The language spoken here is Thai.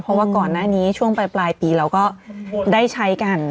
เพราะว่าก่อนหน้านี้ช่วงปลายปีเราก็ได้ใช้กัน